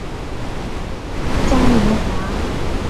臧明华。